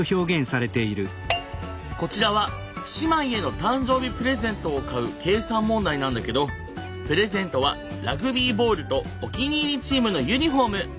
こちらは姉妹への誕生日プレゼントを買う計算問題なんだけどプレゼントはラグビーボールとお気に入りチームのユニフォーム。